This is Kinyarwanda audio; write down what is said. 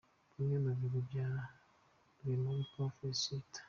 Bimwe mu bigwi bya Rwemarika Felicite